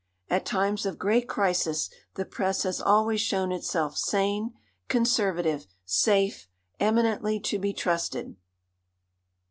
At times of great crisis the press has always shown itself sane, conservative, safe, eminently to be trusted.